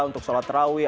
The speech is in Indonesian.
untuk sholat raweh